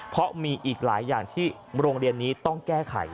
เพราะมีอีกหลายอย่างที่โรงเรียนนี้ต้องแก้ไข